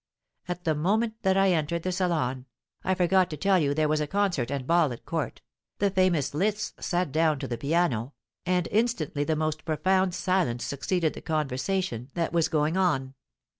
At the moment that I entered the salon (I forgot to tell you there was a concert and ball at court) the famous Liszt sat down to the piano, and instantly the most profound silence succeeded to the conversation that was going on.